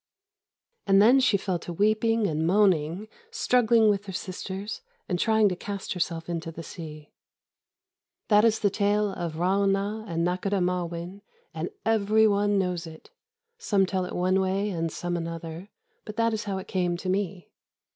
"And then she fell to weeping and moaning, struggling with her sisters, and trying to cast herself into the sea. "That is the tale of Ra'ûnah and Nakhôdah Ma'win, and every one knows it. Some tell it one way and some another, but that is how it came to me.